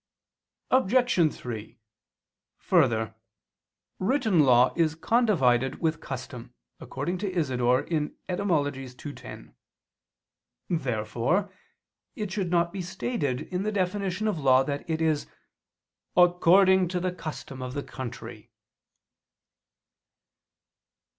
Obj. 3: Further, written law is condivided with custom, according to Isidore (Etym. ii, 10). Therefore it should not be stated in the definition of law that it is "according to the custom of the country."